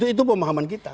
itu pemahaman kita